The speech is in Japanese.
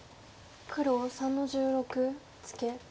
黒３の十六ツケ。